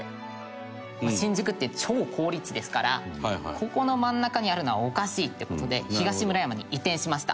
新宿って超好立地ですからここの真ん中にあるのはおかしいって事で東村山に移転しました。